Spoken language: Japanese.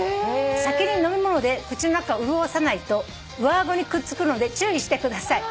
「先に飲み物で口の中を潤さないと上顎にくっつくので注意してください」